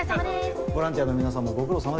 ボランティアの皆さんもご苦労さまでした。